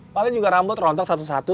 paling juga rambut rontok satu satu